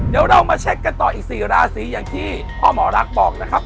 เดี๋ยวเรามาเช็คกันต่ออีก๔ราศีอย่างที่พ่อหมอรักบอกนะครับ